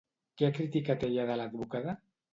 Què ha criticat ella de l'advocada?